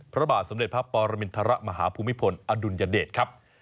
พระบาทสมเด็จพระปรมินทรมาฮภูมิพลอดุลยเดชครับ